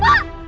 bu bangun bu